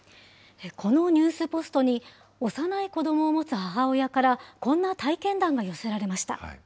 このニュースポストに、幼い子どもを持つ母親から、こんな体験談が寄せられました。